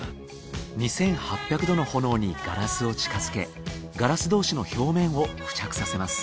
２，８００℃の炎にガラスを近づけガラス同士の表面を付着させます。